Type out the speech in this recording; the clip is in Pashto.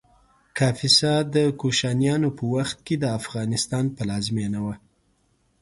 کاپیسا د کوشانیانو په وخت کې د افغانستان پلازمېنه وه